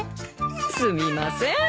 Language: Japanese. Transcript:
すみません。